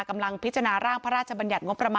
กำลังพิจารณาร่างพระราชบัญญัติ